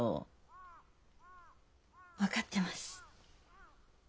分かってます。